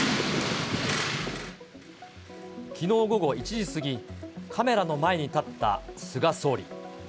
きのう午後１時過ぎ、カメラの前に立った菅総理。